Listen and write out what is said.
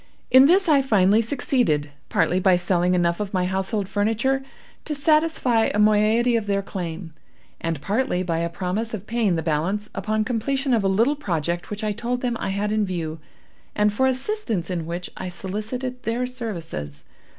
In this I finally succeeded—partly by selling enough of my household furniture to satisfy a moiety of their claim, and partly by a promise of paying the balance upon completion of a little project which I told them I had in view, and for assistance in which I solicited their services.